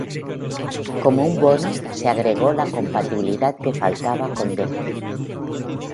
Como un bono, se agregó la compatibilidad que faltaba con Delphi.